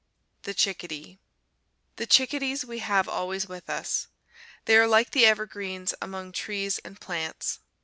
THE CHICKADEE The chickadees we have always with us. They are like the evergreens among trees and plants.